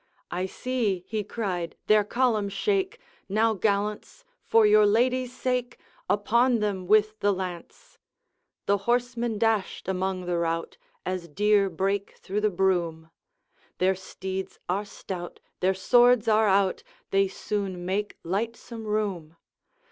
I see," he cried, "their column shake. Now, gallants! for your ladies' sake, Upon them with the lance!" The horsemen dashed among the rout, As deer break through the broom; Their steeds are stout, their swords are out, They soon make lightsome room.